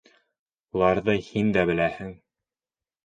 Уларҙы һин дә беләһең...